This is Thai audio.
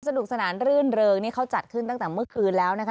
สนุกสนานรื่นเริงนี่เขาจัดขึ้นตั้งแต่เมื่อคืนแล้วนะคะ